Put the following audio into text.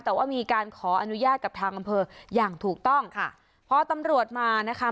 แต่ว่ามีการขออนุญาตกับทางอำเภออย่างถูกต้องค่ะพอตำรวจมานะคะ